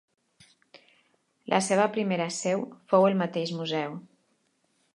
La seva primera seu fou el mateix museu.